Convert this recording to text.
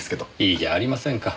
いいじゃありませんか。